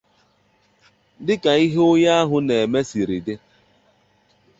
dịka ihe onye ahụ na-eme siri dị.